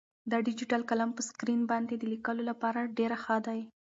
دا ډیجیټل قلم په سکرین باندې د لیکلو لپاره ډېر ښه دی.